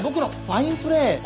ファインプレー？